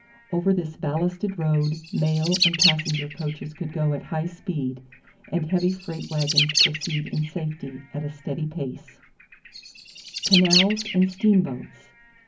Over this ballasted road mail and passenger coaches could go at high speed, and heavy freight wagons proceed in safety at a steady pace. [Illustration: THE CUMBERLAND ROAD] =Canals and Steamboats.